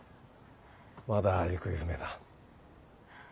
まだ行方不明だ。